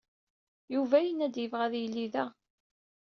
Yuba yenna-d yebɣa ad yili da.